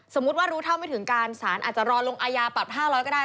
สมมุติว่ารู้เท่าไม่ถึงการสารอาจจะรอลงอายาปรับ๕๐๐ก็ได้